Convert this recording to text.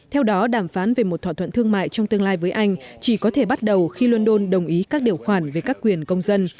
theo đó đàm phán về một thỏa thuận thương mại trong tương lai với anh chỉ có thể bắt đầu khi london đồng ý các điều khoản về các quyền công dân